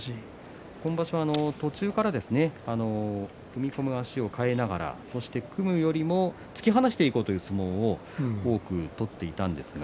今場所、途中から踏み込む足を変えながら組む組むよりも突き放していこうという相撲を多く取っていたんですが。